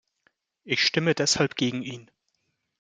Ich stimme deshalb gegen ihn.